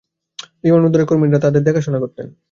বিমানবন্দরের কর্মীরা তাদের দেখাশোনা করতেন।